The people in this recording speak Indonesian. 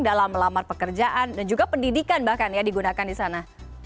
dalam melamar pekerjaan dan juga pendidikan bahkan ya digunakan di sana